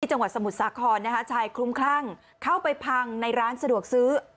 จังหวัดสมุทรสาครนะคะชายคลุ้มคลั่งเข้าไปพังในร้านสะดวกซื้อ